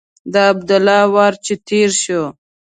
د عبدالله وار چې تېر شو.